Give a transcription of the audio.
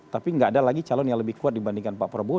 tapi nggak ada lagi calon yang lebih kuat dibandingkan pak prabowo